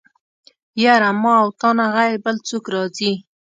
يره ما او تانه غير بل څوک راځي.